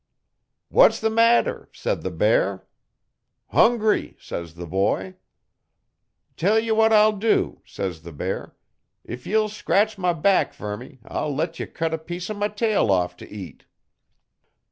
'"What's the matter?" said the bear. '"Hungry," says the boy. '"Tell ye what I'll dew," says the bear. "If ye'll scratch my back fer me I'll let ye cut a piece o' my tail off t' eat."